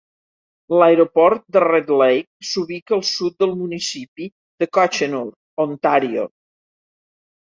L'Aeroport de Red Lake s'ubica al sud del municipi de Cochenour, Ontario.